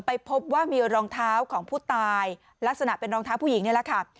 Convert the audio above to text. พบว่ามีรองเท้าของผู้ตายลักษณะเป็นรองเท้าผู้หญิงนี่แหละค่ะ